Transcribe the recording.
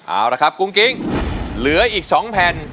เอาละครับกุ้งกิ๊งเหลืออีก๒แผ่น